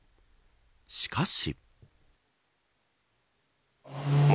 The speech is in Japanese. しかし。